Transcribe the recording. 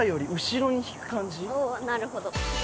なるほど。